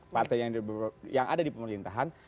partai yang ada di pemerintahan